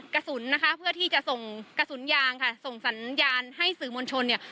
กระสุนนะคะเพื่อที่จะส่งกระสุนยางค่ะส่งสัญญาณให้สื่อมวลชนเนี่ย